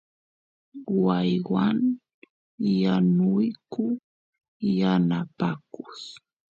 waaywan yanuyku yanapakus